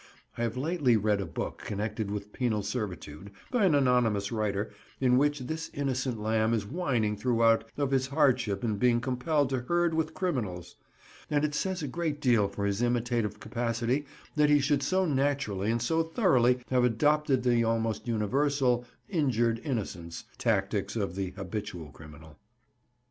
I have lately read a book connected with penal servitude, by an anonymous writer, in which this innocent lamb is whining throughout of his hardship in being compelled to herd with criminals; and it says a great deal for his imitative capacity that he should so naturally and so thoroughly have adopted the almost universal "injured innocence" tactics of the habitual criminal.